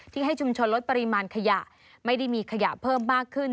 ให้ชุมชนลดปริมาณขยะไม่ได้มีขยะเพิ่มมากขึ้น